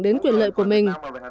đến quyền lợi của mình